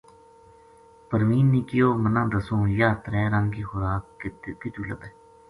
پروین نے کہیو منا دسوں یاہ ترے رنگ کی خوراک کِتو لبھے